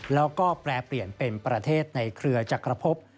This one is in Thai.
แล้วก็แปรเปลี่ยนเป็นประเทศในเครือจักรพบ